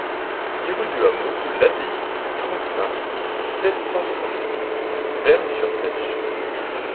dix rue du Hameau de l'Abbaye, trente-cinq, sept cent soixante-dix, Vern-sur-Seiche